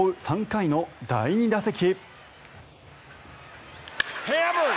３回の第２打席。